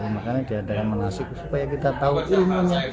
makanya diadakan manasik supaya kita tahu ilmunya